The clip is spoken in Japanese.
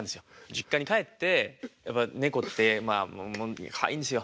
実家に帰ってやっぱ猫ってかわいいんですよ。